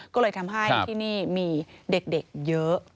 ก็เลยทำให้ที่นี่มีเด็กเยอะ